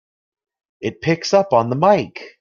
It picks up on the mike!